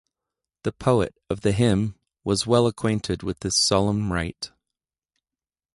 The poet of the hymn was well-acquainted with this solemn rite.